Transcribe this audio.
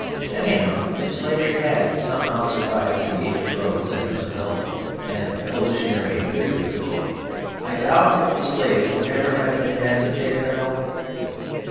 Anyhow, if slavery had somehow survived to the age of Rhodes and Roosevelt and evolutionary imperialism, I doubt if the slaves would ever have been emancipated at all.